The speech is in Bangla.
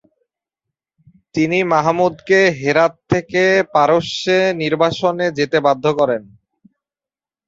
তিনি মাহমুদকে হেরাত থেকে পারস্যে নির্বাসনে যেতে বাধ্য করেন।